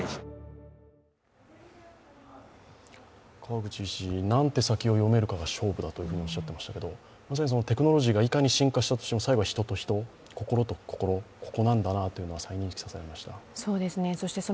川口医師、何手先を読めるかが勝負だと言っていましたがテクノロジーがいかに進化しても最後は人と人、心と心、ここなんだというのは刺さりました。